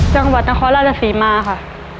จังหวัดนครราชศรีมาค่ะ